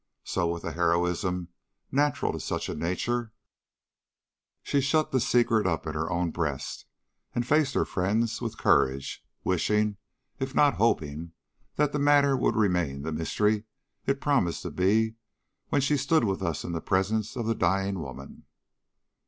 So, with the heroism natural to such a nature, she shut the secret up in her own breast, and faced her friends with courage, wishing, if not hoping, that the matter would remain the mystery it promised to be when she stood with us in the presence of the dying woman.